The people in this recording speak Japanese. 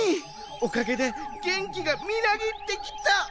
おかげでげんきがみなぎってきた！